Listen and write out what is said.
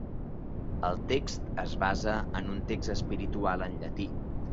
El text es basa en un text espiritual en llatí.